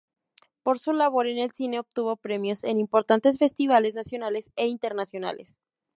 Por su labor en el cine obtuvo premios en importantes festivales nacionales e internacionales.